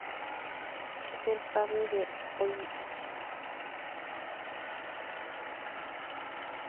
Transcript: Es el padre de Olivier.